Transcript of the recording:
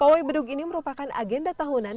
pawai beduk ini merupakan agenda tahunan